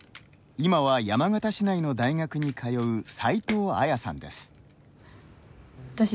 今は山形市内の大学に通う齋藤愛彩さんです。